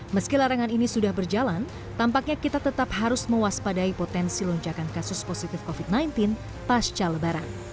meski larangan ini sudah berjalan tampaknya kita tetap harus mewaspadai potensi lonjakan kasus positif covid sembilan belas pasca lebaran